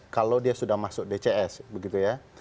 kalau dia sudah masuk dcs begitu ya